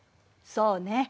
そうね。